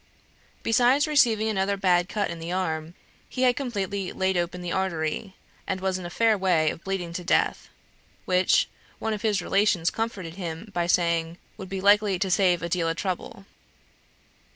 Besides receiving another bad cut in the arm, he had completely laid open the artery, and was in a fair way of bleeding to death which, one of his relations comforted him by saying, would be likely to "save a deal o' trouble."